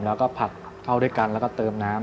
แล้วก็ผัดเข้าด้วยกันแล้วก็เติมน้ำ